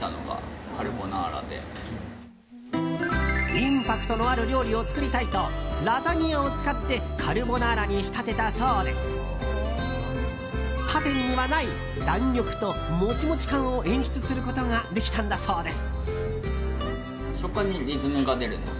インパクトのある料理を作りたいとラザニアを使ってカルボナーラに仕立てたそうで他店にはない弾力とモチモチ感を演出することができたんだそうです。